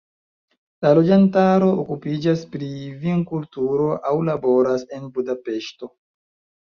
La loĝantaro okupiĝas pri vinkulturo aŭ laboras en Budapeŝto.